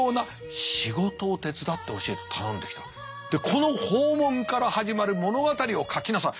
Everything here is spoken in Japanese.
「この訪問から始まる物語を書きなさい」。